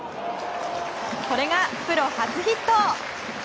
これがプロ初ヒット！